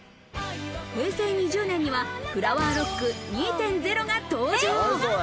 平成２０年にはフラワーロック２．０が登場。